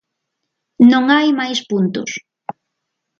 Non hai máis puntos.